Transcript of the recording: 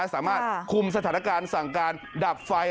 สามารถคุมสถานการณ์สั่งการดับไฟ